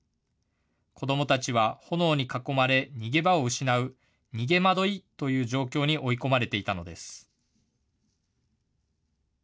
子どもたちは炎に囲まれ逃げ場を失う、逃げ惑いという状況に追い込まれていたのです。